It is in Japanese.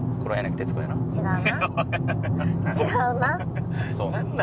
違うな。